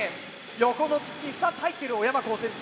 横の筒に２つ入っている小山高専Ｂ。